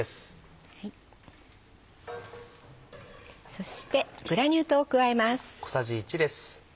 そしてグラニュー糖を加えます。